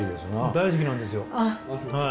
大好きなんですよはい。